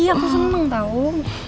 aku senang tahu